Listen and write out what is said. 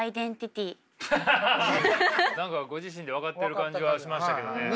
何かご自身で分かってる感じはしましたけどね。